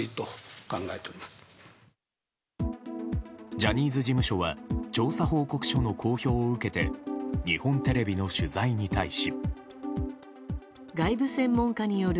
ジャニーズ事務所は調査報告書の公表を受けて日本テレビの取材に対し。